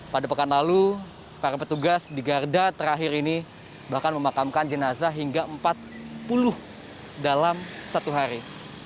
pada pekan lalu para petugas di garda terakhir ini bahkan memakamkan jenazah hingga empat puluh dalam satu hari